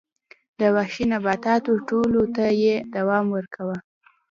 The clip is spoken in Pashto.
د وحشي نباتاتو ټولولو ته یې دوام ورکاوه